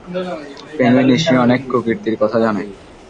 Penguin নিশ্চয়ই অনেক কুকীর্তির কথা জানে।